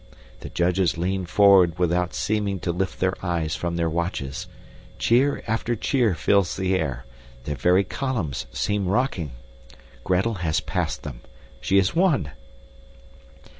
The judges lean forward without seeming to lift their eyes from their watches. Cheer after cheer fills the air; the very columns seem rocking. Gretel has passed them. She has won.